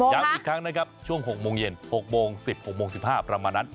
อีกครั้งนะครับช่วง๖โมงเย็น๖โมง๑๖โมง๑๕ประมาณนั้น